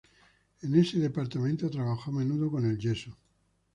En ese departamento trabajó a menudo con el yeso.